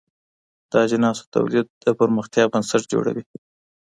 د اجناسو تولید د پرمختیا بنسټ جوړوي.